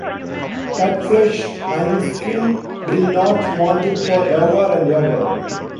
Tudfwlch and his kin will not want it for ever and ever.